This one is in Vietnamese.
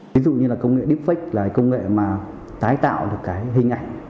ví dụ như là công nghệ deepfake là công nghệ mà tái tạo được cái hình ảnh